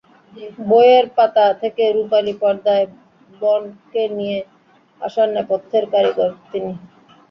বইয়ের পাতা থেকে রুপালি পর্দায় বন্ডকে নিয়ে আসার নেপথ্যের কারিগর তিনি।